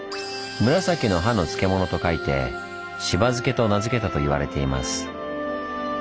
紫の葉の漬物と書いて「紫葉漬」と名付けたと言われています。